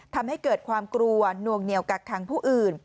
ทำให้เกิดความกลัวนวงเหนียวกักขังผู้อื่น